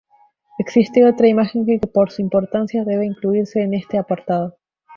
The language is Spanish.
Existe otra imagen que por su importancia debe incluirse en este apartado.